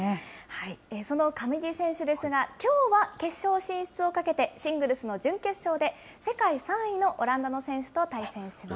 その上地選手ですが、きょうは決勝進出をかけて、シングルスの準決勝で、世界３位のオランダの選手と対戦します。